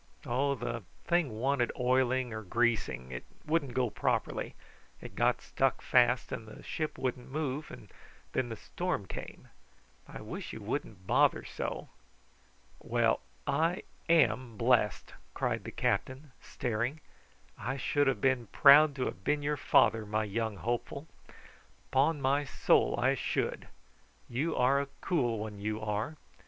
"Oh, the thing wanted oiling or greasing; it wouldn't go properly. It got stuck fast, and the ship wouldn't move; and then the storm came. I wish you wouldn't bother so." "Well, I am blessed," cried the captain staring. "I should have been proud to have been your father, my young hopeful. 'Pon my soul I should. You are a cool one, you are.